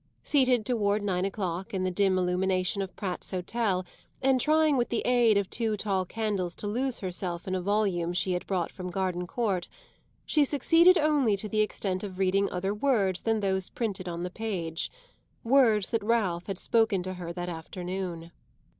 Seated toward nine o'clock in the dim illumination of Pratt's Hotel and trying with the aid of two tall candles to lose herself in a volume she had brought from Gardencourt, she succeeded only to the extent of reading other words than those printed on the page words that Ralph had spoken to her that afternoon.